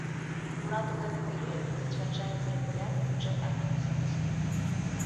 Акурат у гэты перыяд зацвярджаецца рэгулярны бюджэт арганізацыі.